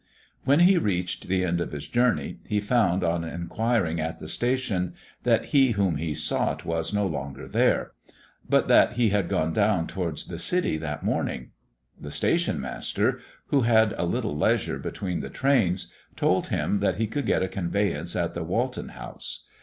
When he reached the end of his journey, he found on inquiring at the station that He whom he sought was no longer there, but that He had gone down towards the city that morning. The station master, who had a little leisure between the trains, told him that he could get a conveyance at the Walton House.